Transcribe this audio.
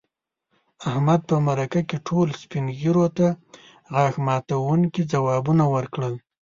احمد په مرکه کې ټولو سپین ږیرو ته غاښ ماتونکي ځوابوه ورکړل.